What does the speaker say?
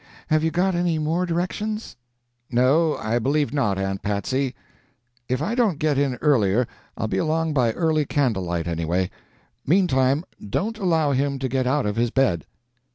Have you got any more directions?" "No, I believe not, Aunt Patsy. If I don't get in earlier, I'll be along by early candle light, anyway. Meantime, don't allow him to get out of his bed."